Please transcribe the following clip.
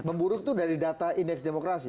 memburuk itu dari data indeks demokrasi